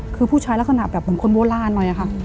คือผู้ชายลักษณะแบบเหมือนคนโบราณหน่อยอะค่ะ